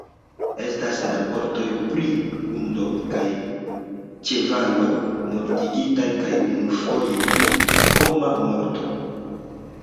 Estas raportoj pri hundoj kaj ĉevaloj mortigitaj kaj unufoje pri homa morto.